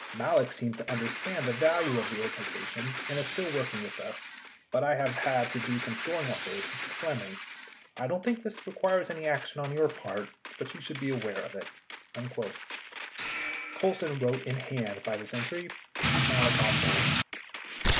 Malek seems to understand the value of the organization, and is still working with us, but I have had to do some shoring operations with Flemming. I don't think this requires any action on your part but you should be aware of it. [Emphasis added.] 53 Colson wrote in hand by this entry : "Keep Malek on board."